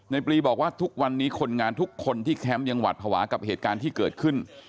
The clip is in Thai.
ปรีบอกว่าทุกวันนี้คนงานทุกคนที่แคมป์ยังหวัดภาวะกับเหตุการณ์ที่เกิดขึ้น